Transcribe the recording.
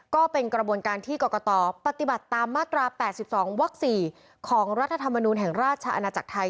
ก็เป็นกระบวนการที่กรกตปฏิบัติตามมาตรา๘๒วัก๔ของรัฐธรรมนูลแห่งราชอาณาจักรไทย